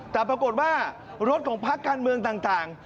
แต่ปรากฏว่ารถของพักการเมืองต่าง